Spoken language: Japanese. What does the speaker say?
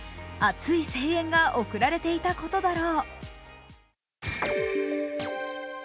熱い声援が贈られていたことだろう。